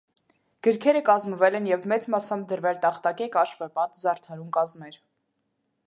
Գրքերը կազմվել են և մեծ մասամբ դրվել տախտակե կաշեպատ զարդարուն կազմեր։